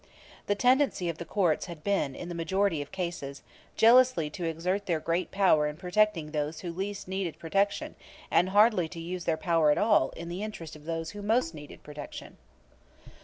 The tendency of the courts had been, in the majority of cases, jealously to exert their great power in protecting those who least needed protection and hardly to use their power at all in the interest of those who most needed protection.